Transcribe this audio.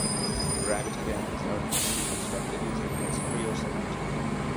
Gravity dams are commonly constructed using masonry or cement.